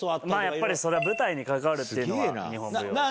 やっぱりそりゃ舞台に関わるっていうのは日本舞踊。